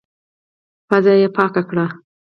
پزه يې پاکه کړه.